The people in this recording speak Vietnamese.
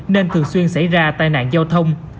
nên thường xuyên xảy ra tai nạn giao thông